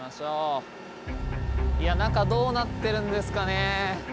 いや中どうなってるんですかね。